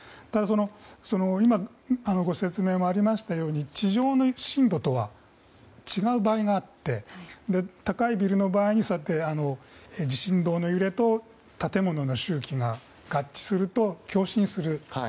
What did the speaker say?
ただ、今ご説明ありましたように地上の震度とは違う場合があって高いビルの場合にそうやって地震動の揺れと建物の周期が合致すると共振する。